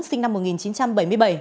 sinh năm một nghìn chín trăm bảy mươi bảy